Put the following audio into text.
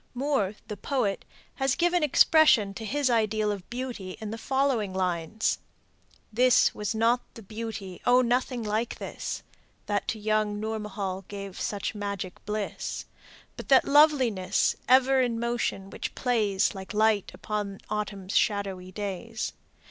Moore, the poet, has given expression to his ideal of beauty in the following lines: "This was not the beauty Oh, nothing like this, That to young Nourmahal gave such magic bliss; But that loveliness, ever in motion, which plays Like the light upon autumn's shadowy days.